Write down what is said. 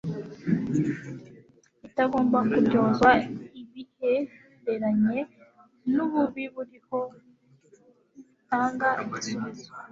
itagomba kuryozwa ibihereranye n ububi buriho ntibitanga igisubizo